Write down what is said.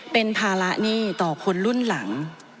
เป็นภาระหนี้ต่อคนรุ่นหลัง